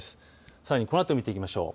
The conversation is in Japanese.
さらにこのあと見ていきましょう。